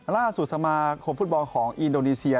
ล่าสุดสมาคมฟุตบอลของอินโดนีเซีย